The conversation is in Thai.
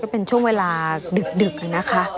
เป็นช่วงเวลาดึกนะคะ